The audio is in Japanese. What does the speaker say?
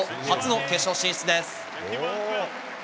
初の決勝進出です。